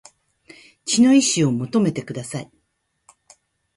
血の遺志を求めてください